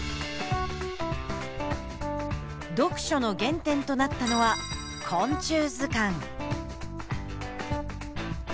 読書の原点となったのは昆虫図鑑。